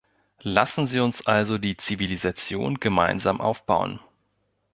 Lassen Sie uns also die Zivilisation gemeinsam aufbauen.